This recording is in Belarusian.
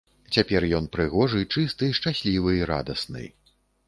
Цяпер ён прыгожы, чысты, шчаслівы і радасны.